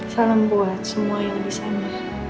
salam buat semua yang disana